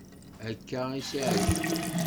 Akka i s-iεǧeb.